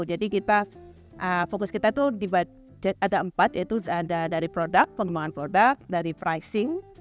jadi kita fokus kita itu ada empat yaitu ada dari produk pengembangan produk dari pricing